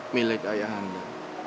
milik ayah anda